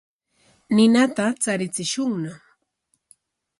Ninata charichishunña.